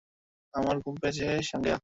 আমার ঘুম পেয়েছে, সাঙ্গেয়া।